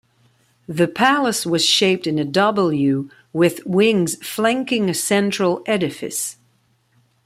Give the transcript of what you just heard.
The palace was shaped in a 'W' with wings flanking a central edifice.